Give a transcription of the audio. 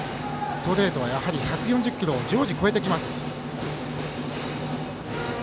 ストレートは常時１４０キロを超えてきます。